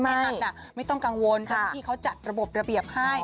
ไม่ไม่ต้องกังวลที่เขาจัดระบบระเบียบให้